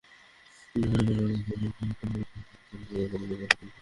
কোম্পানির লোকজন ভূমি অফিসের কর্মচারীদের ম্যানেজ করে নদীর তীরে বীজতলা তৈরি করছেন।